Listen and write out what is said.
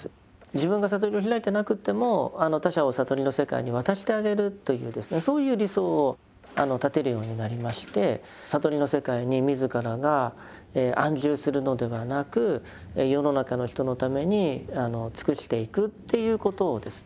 自分が悟りを開いてなくても他者を悟りの世界に渡してあげるというそういう理想を立てるようになりまして悟りの世界に自らが安住するのではなく世の中の人のために尽くしていくっていうことをですね